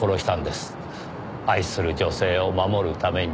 愛する女性を守るために。